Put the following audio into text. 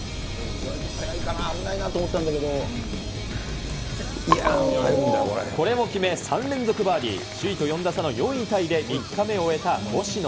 入るかな、危ないかなと思ったんだけど、入るんだよ、これも決め、３連続バーディー、首位と４打差の４位タイで３日目を終えた星野。